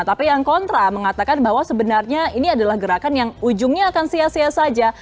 tapi yang kontra mengatakan bahwa sebenarnya ini adalah gerakan yang ujungnya akan sia sia saja